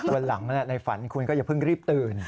วันหลังในฝันคุณก็อย่าเพิ่งรีบตื่น